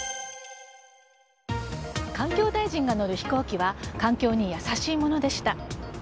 環境大臣が乗る飛行機は環境に優しいものでした。